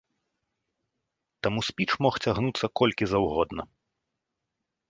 Таму спіч мог цягнуцца колькі заўгодна.